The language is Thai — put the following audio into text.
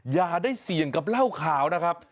อย่าได้เสี่ยงกับเหล้าขาวนะครับ